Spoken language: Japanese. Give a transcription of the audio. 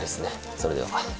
それでは。